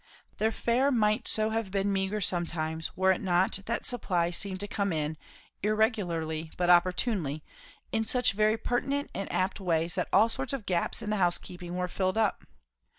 The fare might so have been meagre sometimes; were it not that supplies seemed to come in, irregularly but opportunely, in such very pertinent and apt ways that all sorts of gaps in the housekeeping were filled up.